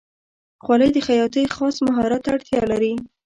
خولۍ د خیاطۍ خاص مهارت ته اړتیا لري.